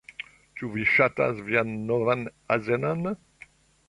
Ĉu vi ŝatas vian novan azenon?